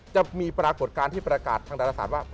ปรากฏการณ์ที่ประกาศทางดาราศาสตร์ว่า